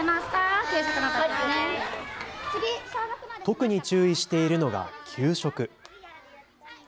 特に注意しているのが給食。